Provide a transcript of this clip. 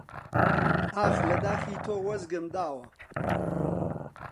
ئاخ لە داخی تۆ وەزگم داوە!